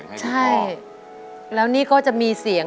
รับแล้วแบบเข้มแข็ง